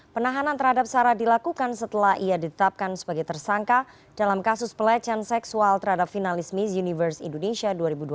penahanan terhadap sarah dilakukan setelah ia ditetapkan sebagai tersangka dalam kasus pelecehan seksual terhadap finalis miss universe indonesia dua ribu dua puluh